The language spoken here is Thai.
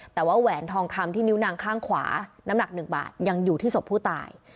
แต่ว่าแหวนทองคำที่นิ้วนางข้างขวาน้ำหนัก๑บาทยังอยู่ที่ศพผู้ตาย